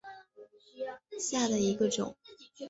察隅紫堇为罂粟科紫堇属下的一个种。